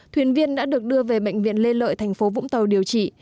thuyền viên đã được đưa về bệnh viện lê lợi thành phố vũng tàu điều trị